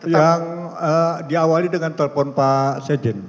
yang diawali dengan telepon pak sedin